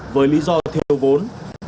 với lý do thiếu vốn